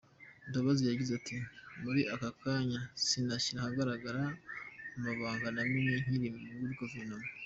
Mbabazi yagize ati: “Muri aka kanya, sinashyira ahagaragara amabanga namenye nkiri muri guverinoma.